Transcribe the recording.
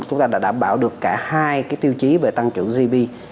chúng ta đã đảm bảo được cả hai tiêu chí về tăng trưởng gdp